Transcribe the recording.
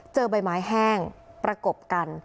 ใบไม้แห้งประกบกัน